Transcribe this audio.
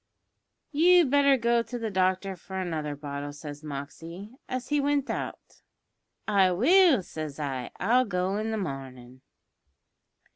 "`You'd better go to the doctor for another bottle,' says Moxey, as he wint out. "`I will,' says I; `I'll go i' the marnin'.'